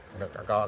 kau milenial itu ya